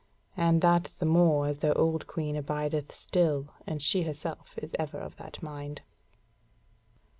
And that the more as their old Queen abideth still, and she herself is ever of that mind."